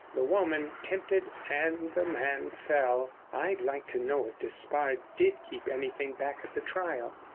The woman tempted and the man fell. I'd like to know if Despard did keep anything back at the trial."